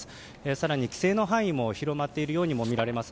更に規制の範囲も広まっているように見えます。